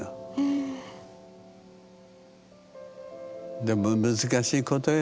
でも難しいことよ？